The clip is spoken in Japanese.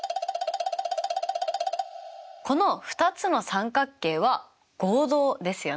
この２つの三角形は合同ですよね？